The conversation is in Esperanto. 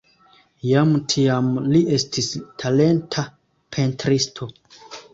Jam tiam li estis talenta pentristo.